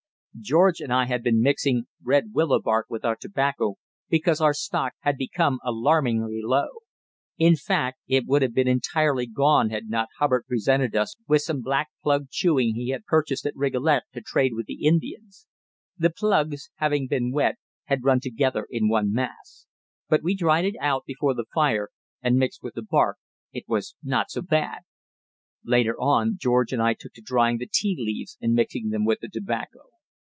George and I had been mixing red willow bark with our tobacco, because our stock had become alarmingly low. In fact, it would have been entirely gone had not Hubbard presented us with some black plug chewing he had purchased at Rigolet to trade with the Indians. The plugs, having been wet, had run together in one mass; but we dried it out before the fire, and, mixed with the bark, it was not so bad. Later on George and I took to drying out the tea leaves and mixing them with the tobacco.